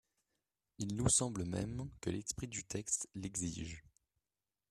Il nous semble même que l’esprit du texte l’exige.